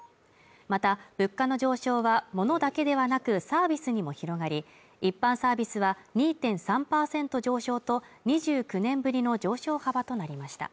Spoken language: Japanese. また物価の上昇は物だけではなくサービスにも広がり一般サービスは２．３％上昇と２９年ぶりの上昇幅となりました